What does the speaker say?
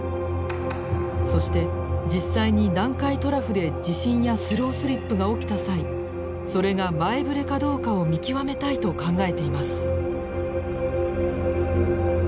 そして実際に南海トラフで地震やスロースリップが起きた際それが前ぶれかどうかを見極めたいと考えています。